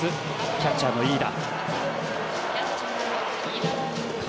キャッチャーの飯田。